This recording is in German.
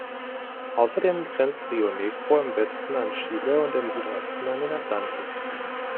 Außerdem grenzt Río Negro im Westen an Chile und im Südosten an den Atlantik.